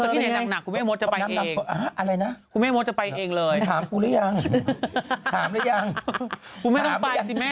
ที่ไม่โดดเลยคือภาคตะวันตกดีละ